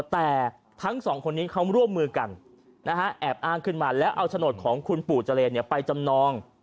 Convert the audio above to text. แต่ทั้งสองคนนี้เขาร่วมมือกันนะฮะแอบอ้างขึ้นมาแล้วเอาโฉนดของคุณปู่เจรไปจำนอง